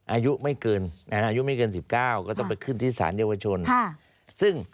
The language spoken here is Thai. อายุไม่เกิน๑๙ก็ต้องไปขึ้นที่สารเยาวชน